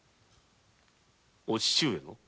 お父上の？